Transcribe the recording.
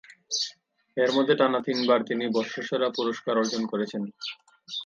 এর মধ্যে টানা তিনবার তিনি বর্ষসেরা পুরস্কার অর্জন করেছেন।